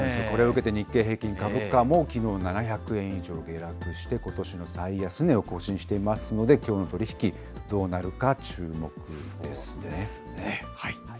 これを受けて日経平均株価もきのう７００円以上下落して、ことしの最安値を更新していますので、きょうの取り引き、どうなるか注目ですね。